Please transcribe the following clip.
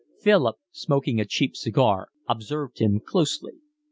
Philip, smoking a cheap cigar, observed him closely.